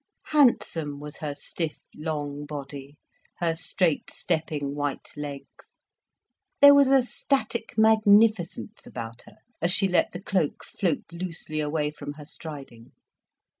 Handsome was her stiff, long body, her straight stepping white legs, there was a static magnificence about her as she let the cloak float loosely away from her striding.